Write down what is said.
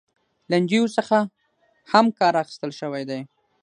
لنډيو څخه هم کار اخيستل شوى دى .